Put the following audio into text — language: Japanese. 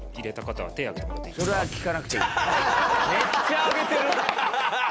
めっちゃ挙げてる。